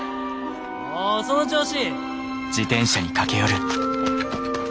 おその調子！